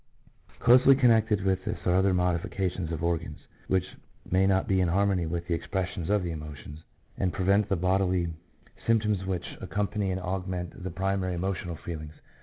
Closely connected with this are other modifications of organs, which may not be in harmony with the expression of the emotions, and prevent the bodily symptoms which accompany and augment the primary emotional feelings.